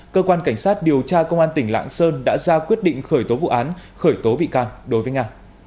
cơ quan cảnh sát điều tra công an tỉnh lạng sơn đã ra quyết định khởi tố vụ án khởi tố bị can đối với nga